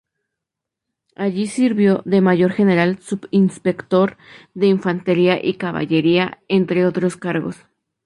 Allí sirvió de Mayor General, subinspector de Infantería y Caballería, entre otros cargos.